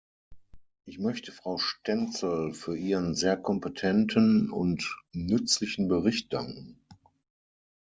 Ich möchte Frau Stenzel für ihren sehr kompetenten und nützlichen Bericht danken.